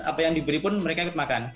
apa yang diberi pun mereka ikut makan